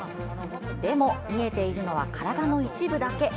でも、見えているのは体の一部だけ。